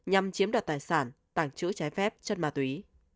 đặt tài sản tảng chữ trái phép chất ma túy